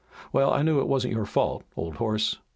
Well, I knew it wasn't your fault, old horse!